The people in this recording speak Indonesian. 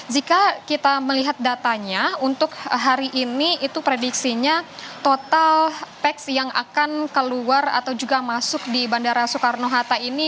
jika kita melihat datanya untuk hari ini itu prediksinya total pex yang akan keluar atau juga masuk di bandara soekarno hatta ini